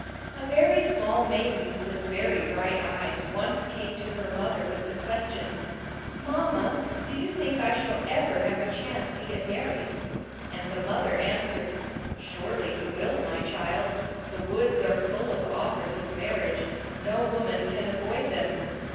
A very small maiden with very bright eyes once came to her mother with the question: "Mamma, do you think I shall ever have a chance to get married?" And the mother answered: "Surely you will, my child; the woods are full of offers of marriage no woman can avoid them."